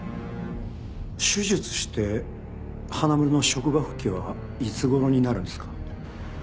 手術して花村の職場復帰はいつ頃になるんですか？